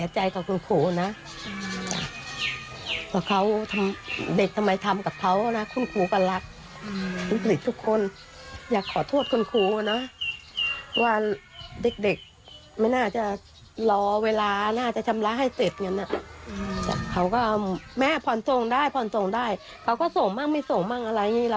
เจ้าโม่งอะไรเราก็ไม่โม่งเลยนะ